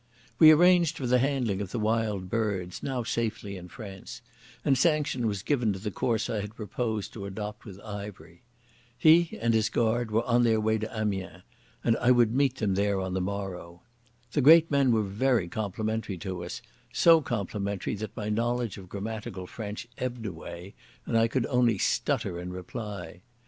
We arranged for the handling of the Wild Birds, now safely in France, and sanction was given to the course I had proposed to adopt with Ivery. He and his guard were on their way to Amiens, and I would meet them there on the morrow. The great men were very complimentary to us, so complimentary that my knowledge of grammatical French ebbed away and I could only stutter in reply.